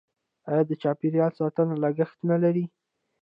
آیا د چاپیریال ساتنه لګښت نلري؟